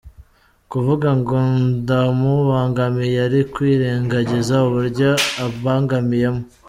Kuvuga ngo ndamubangamiye, ari kwirengagiza uburyo ambangamiyemo.